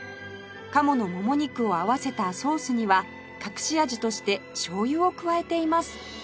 鴨のもも肉を合わせたソースには隠し味として醤油を加えています